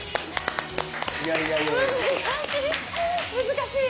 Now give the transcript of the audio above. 難しい。